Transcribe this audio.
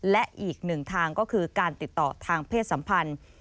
และอีกหนึ่งทางก็คือการติดต่อทางเพศสัมพันธ์